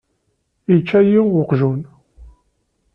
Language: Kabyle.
Ičča-yi uqjun.